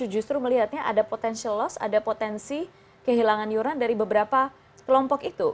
justru melihatnya ada potensial loss ada potensi kehilangan iuran dari beberapa kelompok itu